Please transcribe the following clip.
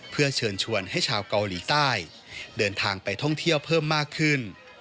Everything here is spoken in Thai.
เพื่อเชิญชวนให้ชาวเกาหลีใต้เดินทางไปท่องเที่ยวเพิ่มมากขึ้น